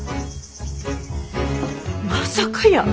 まさかやー。